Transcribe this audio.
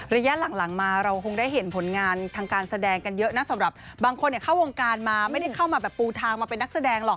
ระยะหลังมาเราคงได้เห็นผลงานทางการแสดงกันเยอะนะสำหรับบางคนเข้าวงการมาไม่ได้เข้ามาแบบปูทางมาเป็นนักแสดงหรอก